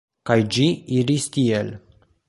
Kaj ĝi iris tiel.